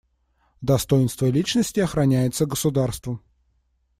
Достоинство личности охраняется государством.